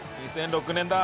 「２００６年だ！」